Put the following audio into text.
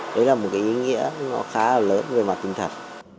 đấy là một cái ý nghĩa nó khá là lớn về mặt tình thật